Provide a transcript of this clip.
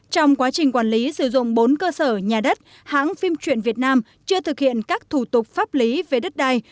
trong quá trình quản lý sử dụng bốn cơ sở nhà đất hãng phim truyện việt nam chưa thực hiện các thủ tục pháp lý về đất đai